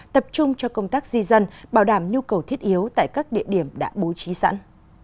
tập trung cho công tác di dân bảo đảm nhu cầu thiết yếu tại các địa điểm đã bố trí sẵn